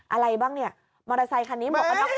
อะไรบ้างเนี่ยมอเตอร์ไซค์คันนี้